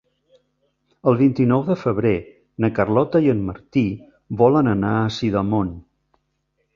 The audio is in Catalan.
El vint-i-nou de febrer na Carlota i en Martí volen anar a Sidamon.